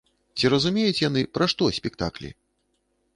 Ці разумеюць яны, пра што спектаклі?